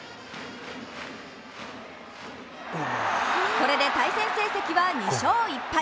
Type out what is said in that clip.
これで対戦成績は２勝１敗。